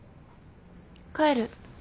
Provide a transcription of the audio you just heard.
帰る。